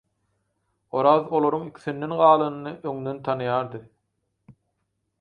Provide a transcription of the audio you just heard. Oraz olaryň ikisinden galanyny öňden tanaýardy